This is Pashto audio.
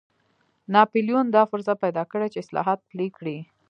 ناپلیون دا فرصت پیدا کړ چې اصلاحات پلي کړي.